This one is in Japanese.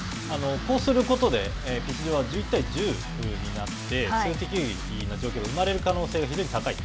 こうすることで１１対１０になって数的優位な状況が生まれる可能性が非常に高い。